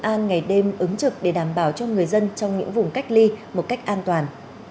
đó là những người đem ứng trực để đảm bảo cho người dân trong những vùng cách ly một cách an toàn